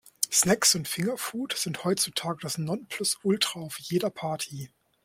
Snacks und Fingerfood sind heutzutage das Nonplusultra auf jeder Party.